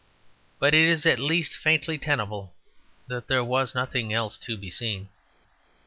But it is at least faintly tenable that there was nothing else to be seen.